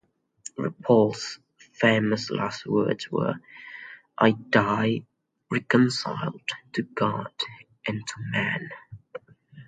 Ripoll's famous last words were, I die reconciled to God and to man.